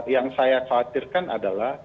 yang saya khawatirkan adalah